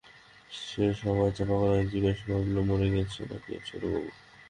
সে সভয়ে চাপা গলায় জিজ্ঞাসা করিয়াছিল, মরে গেছে নাকি ছোটবাবু?